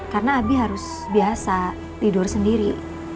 karena abi harus biasa tidur sendiri